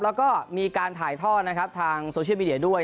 แล้วก็มีการถ่ายท่อนะครับทางโซเชียลมีเดียด้วย